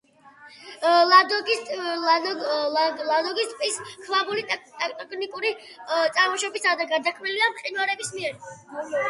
ლადოგის ტბის ქვაბული ტექტონიკური წარმოშობისაა და გარდაქმნილია მყინვარების მიერ.